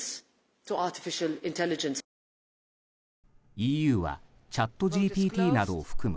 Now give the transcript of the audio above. ＥＵはチャットＧＰＴなどを含む